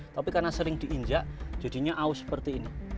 tapi karena sering diinjak jadinya aus seperti ini